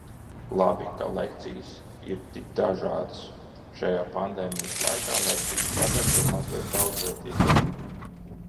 Labi, ka lekcijas ir tik dažādas. Šajā pandēmijas laikā lekcijas padara to mazliet daudzveidīgāku.